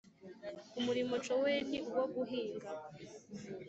umurimo nshoboye ni uwo guhinga